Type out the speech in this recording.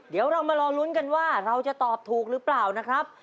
เดี๋ยวเรามารอลุ้นกันว่าเราจะตอบถูกหรือเปล่านะครับ